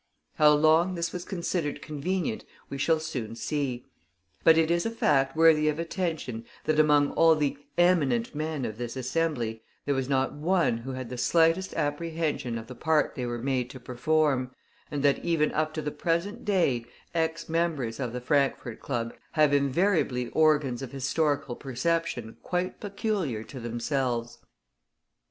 How long this was considered convenient we shall soon see. But it is a fact worthy of attention that among all the "eminent" men of this Assembly there was not one who had the slightest apprehension of the part they were made to perform, and that even up to the present day ex members of the Frankfort Club have invariably organs of historical perception quite peculiar to themselves.